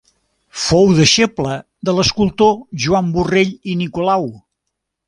Fou deixeble de l'escultor Joan Borrell i Nicolau.